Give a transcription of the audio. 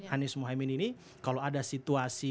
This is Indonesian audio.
anies mohaimin ini kalau ada situasi